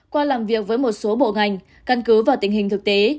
qua làm việc với một số bộ ngành căn cứ vào tình hình thực tế